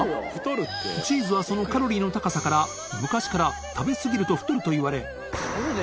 礇繊璽困そのカロリーの高さから里食べ過ぎると太るといわれ瀬ぅ┘